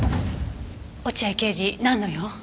落合刑事なんの用？